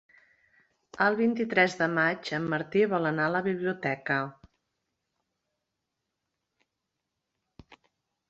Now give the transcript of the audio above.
El vint-i-tres de maig en Martí vol anar a la biblioteca.